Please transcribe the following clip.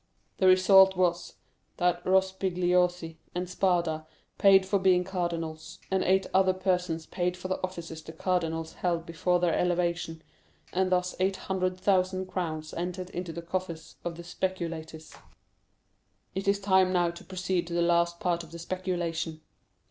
The result was, that Rospigliosi and Spada paid for being cardinals, and eight other persons paid for the offices the cardinals held before their elevation, and thus eight hundred thousand crowns entered into the coffers of the speculators. 0239m "It is time now to proceed to the last part of the speculation.